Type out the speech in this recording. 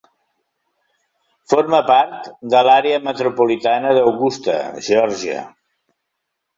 Forma part de l'àrea metropolitana d'Augusta, Geòrgia.